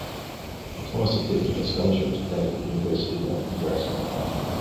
Thomas accepted a scholarship to play for the University of Nebraska.